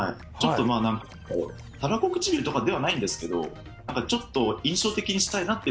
たらこ唇とかではないんですけどちょっと印象的にしたいなということで。